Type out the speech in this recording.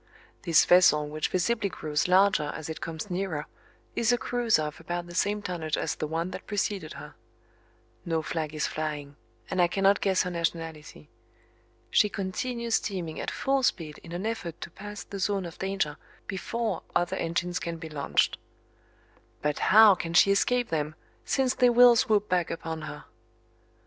This vessel, which visibly grows larger as it comes nearer, is a cruiser of about the same tonnage as the one that preceded her. No flag is flying and I cannot guess her nationality. She continues steaming at full speed in an effort to pass the zone of danger before other engines can be launched. But how can she escape them since they will swoop back upon her?